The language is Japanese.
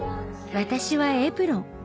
私はエプロン。